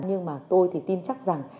nhưng mà tôi thì tin chắc rằng